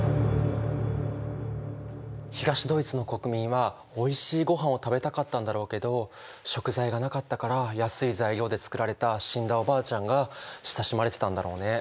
東ドイツの国民はおいしいごはんを食べたかったんだろうけど食材がなかったから安い材料で作られた死んだおばあちゃんが親しまれてたんだろうね。